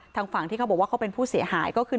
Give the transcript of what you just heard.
ทางฝั่งที่เขาบอกว่าเขาเป็นผู้เสียหายก็คือ